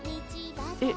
えっ。